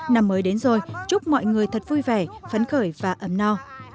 năm mới đến rồi chúc mọi người thật vui vẻ phấn khởi và ấm no